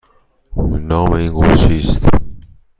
نام این رقص چیست؟